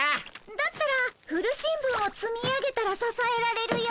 だったら古新聞をつみ上げたらささえられるよ。